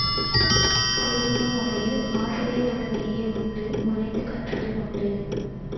குருகுல முறையில் ஆசிரியருடனேயே உண்டு உறைந்து கற்றதும் உண்டு.